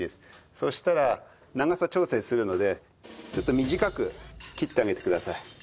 そしたら長さ調整するのでちょっと短く切ってあげてください。